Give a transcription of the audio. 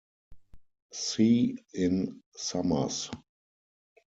C in summers.